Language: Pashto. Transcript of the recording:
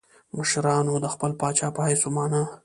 مشرانو د خپل پاچا په حیث ومانه.